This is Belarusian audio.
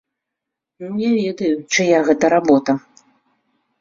Ну, я ведаю, чыя гэта работа.